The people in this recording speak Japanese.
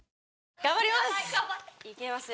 頑張ります！